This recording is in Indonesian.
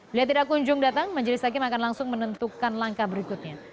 bila tidak kunjung datang majelis hakim akan langsung menentukan langkah berikutnya